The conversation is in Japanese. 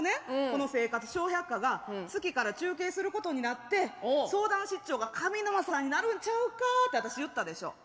この「生活笑百科」が月から中継することになって相談室長が上沼さんになるんちゃうかって私言ったでしょ。